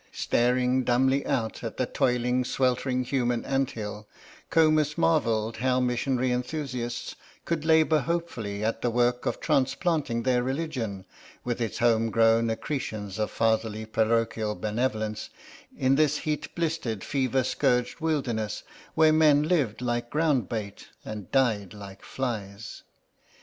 Staring dumbly out at the toiling sweltering human ant hill Comus marvelled how missionary enthusiasts could labour hopefully at the work of transplanting their religion, with its homegrown accretions of fatherly parochial benevolence, in this heat blistered, fever scourged wilderness, where men lived like groundbait and died like flies.